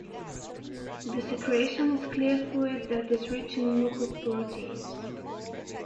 The secretion is a clear fluid that is rich in mucoproteins.